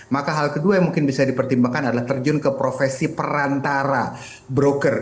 maka hal kedua yang mungkin bisa dipertimbangkan adalah terjun ke profesi perantara broker